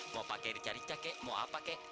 mau pakai rica rica atau apa saja